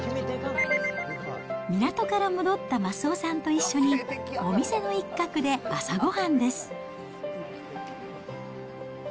港から戻った益男さんと一緒に、お店の一角で朝ごはんです。